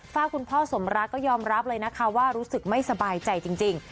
ฝากคุณพ่อสมรักก็ยอมรับเลยนะคะว่ารู้สึกไม่สบายใจจริง